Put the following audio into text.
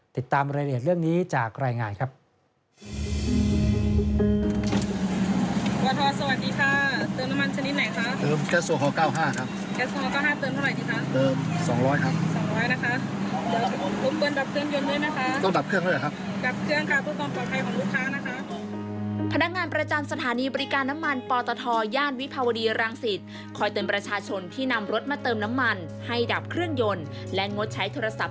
ติดตามรายละเอียดเรื่องนี้จากรายงานครับ